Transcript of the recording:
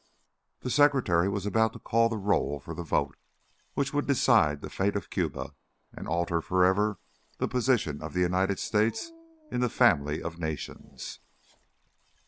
The Secretary was about to call the roll for the vote which would decide the fate of Cuba and alter for ever the position of the United States in the family of nations.